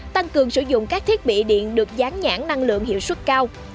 tăng cường sử dụng các thiết bị điện được gián nhãn năng lượng hiệu suất cao